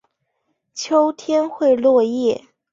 秋天会落叶。